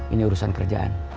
ini urusan kerjaan